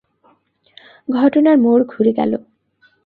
ঘটনার মোড় ঘুরে গেল!